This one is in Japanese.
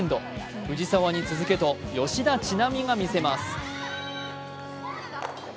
藤澤に続けと吉田知那美が見せます。